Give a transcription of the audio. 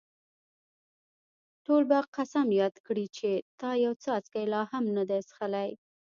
ټول به قسم یاد کړي چې تا یو څاڅکی لا هم نه دی څښلی.